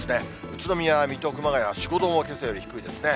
宇都宮、水戸、熊谷、４、５度も低いですね。